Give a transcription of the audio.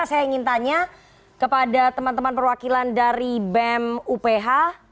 saya ingin tanya kepada teman teman perwakilan dari bem uph